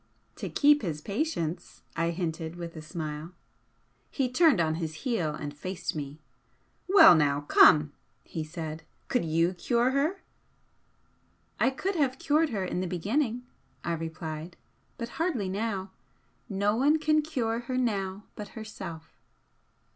"To keep his patients," I hinted, with a smile. He turned on his heel and faced me. "Well now, come!" he said "Could YOU cure her?" "I could have cured her in the beginning," I replied, "But hardly now. No one can cure her now but herself."